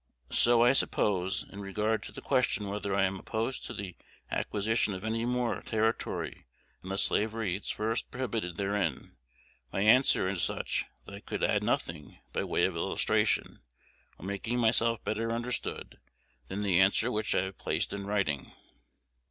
So I suppose, in regard to the question whether I am opposed to the acquisition of any more territory unless slavery is first prohibited therein, my answer is such that I could add nothing by way of illustration, or making myself better understood, than the answer which I have placed in writing.